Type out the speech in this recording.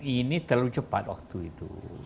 ini terlalu cepat waktu itu